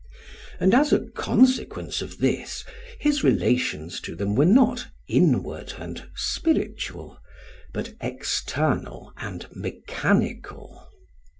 And as a consequence of this his relations to them were not inward and spiritual, but external and mechanical.